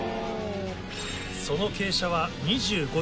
その傾斜は２５度。